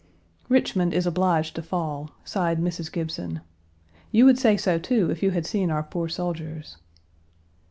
"Richmond is obliged to fall," sighed Mrs. Gibson. "You would say so, too, if you had seen our poor soldiers."